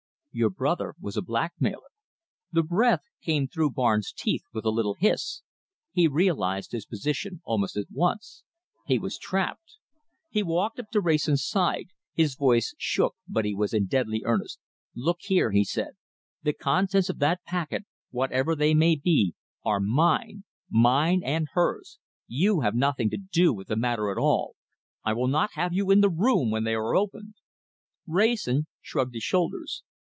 "Your brother was a blackmailer!" The breath came through Barnes' teeth with a little hiss. He realized his position almost at once. He was trapped. He walked up to Wrayson's side. His voice shook, but he was in deadly earnest. "Look here," he said, "the contents of that packet, whatever they may be, are mine mine and hers! You have nothing to do with the matter at all. I will not have you in the room when they are opened." Wrayson shrugged his shoulders.